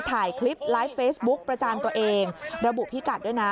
ถ่ายคลิปไลฟ์เฟซบุ๊กประจานตัวเองระบุพิกัดด้วยนะ